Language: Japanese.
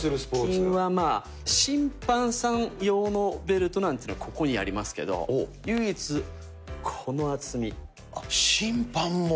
最近はまあ、審判さん用のベルトなんていうのもここにありますけど、唯一、審判も？